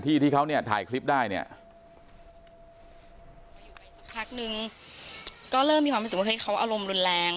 ที่ที่เขาน่ะทายคลิปได้เนี่ยคลักนึงก็เริ่มเป็นเหรอว่าเขาอารมณ์แรง